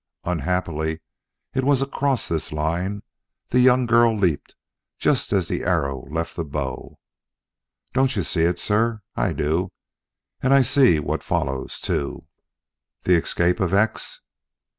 Unhappily, it was across this line the young girl leaped just as the arrow left the bow. Don't you see it, sir? I do; and I see what follows, too." "The escape of X?"